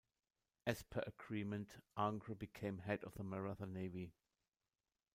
As per agreement, Angre became head of the Maratha Navy.